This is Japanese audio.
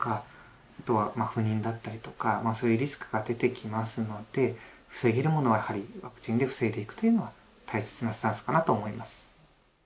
あとは不妊だったりとかそういうリスクが出てきますので防げるものはやはりワクチンで防いでいくというのは大切なスタンスかなと思います。